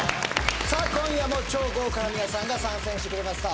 さあ今夜も超豪華な皆さんが参戦してくれました